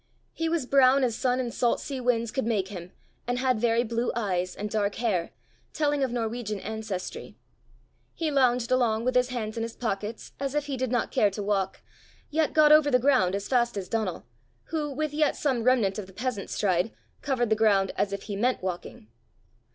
He was brown as sun and salt sea winds could make him, and had very blue eyes and dark hair, telling of Norwegian ancestry. He lounged along with his hands in his pockets, as if he did not care to walk, yet got over the ground as fast as Donal, who, with yet some remnant of the peasant's stride, covered the ground as if he meant walking.